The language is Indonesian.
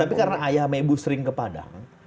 tapi karena ayah sama ibu sering ke padang